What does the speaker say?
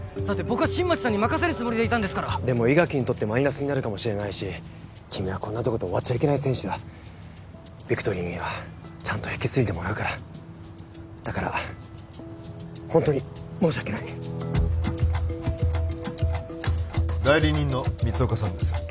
僕は新町さんに任せるつもりでいたんですからでも伊垣にとってマイナスになるかもしれないし君はこんなとこで終わっちゃいけない選手だビクトリーにはちゃんと引き継いでもらうからだからホントに申し訳ない代理人の光岡さんです